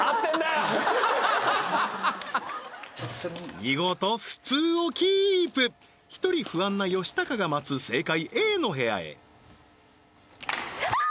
見事普通をキープ１人不安な吉高が待つ正解Ａの部屋へああー！